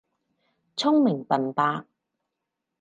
聰明笨伯